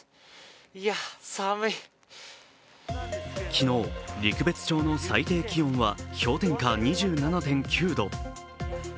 いやー、寒い昨日、陸別町の最低気温は氷点下２７．９度。